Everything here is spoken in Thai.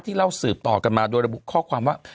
เล่าสืบต่อกันมาโดยระบุข้อความว่า